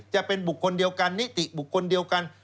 จะเป็นบุคคลเดียวกันนิติบุคคลเดียวกัน